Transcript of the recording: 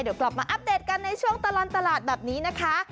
เดี๋ยวกลับมาอัปเดตกันในช่วงตลอดตลาดแบบนี้นะคะ